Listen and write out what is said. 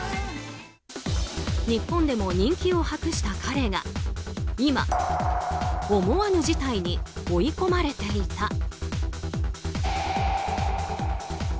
日本でも人気を博した彼が今、思わぬ事態に追い込まれていた。